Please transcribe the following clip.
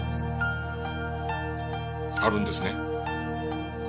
あるんですね？